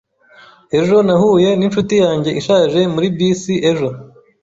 Ejo nahuye ninshuti yanjye ishaje muri bisi ejo.